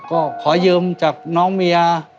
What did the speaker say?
ก็ขอยืมจากน้องเมีย